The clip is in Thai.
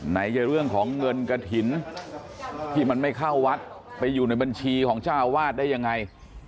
ไหนจะเรื่องของเงินกระถิ่นที่มันไม่เข้าวัดไปอยู่ในบัญชีของเจ้าอาวาสได้ยังไง